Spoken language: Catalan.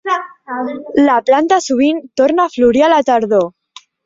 La planta sovint torna a florir a la tardor.